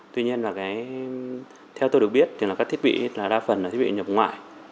tuy nhiên theo tôi được biết các thiết bị đa phần là thiết bị nhập ngoại